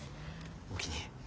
おおきに。